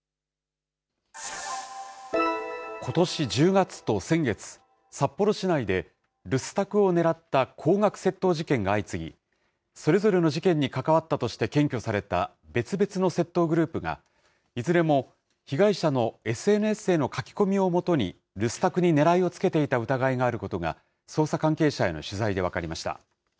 ことし１０月と先月、札幌市内で留守宅をねらった高額窃盗事件が相次ぎ、それぞれの事件に関わったとして検挙された別々の窃盗グループが、いずれも被害者のＳＮＳへの書き込みをもとに、留守宅にねらいをつけていた疑いがあることが、捜査関係者への取材で分かりました。